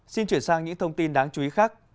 xin chuyển sang những thông tin đáng chú ý khác